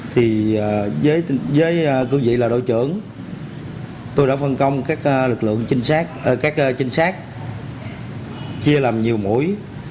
thì với cư dị là đội trưởng tôi đã phân công các lực lượng trinh sát chia làm nhiều mũi